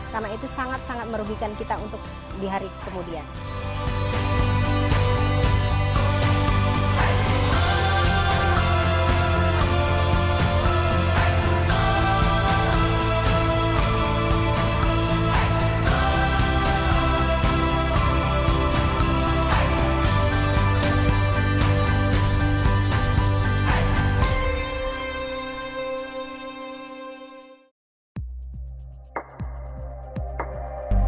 karena itu sangat sangat merugikan kita untuk di hari kemudian